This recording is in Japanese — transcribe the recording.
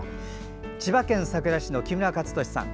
千葉県佐倉市の木村克俊さん。